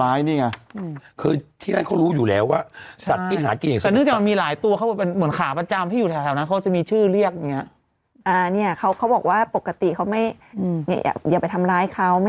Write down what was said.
ร้ายเขาไม่ร้ายอาศัยอยู่ใกล้แหลกน้ำไว้น้ำเก่ง